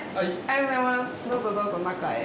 どうぞどうぞ中へ。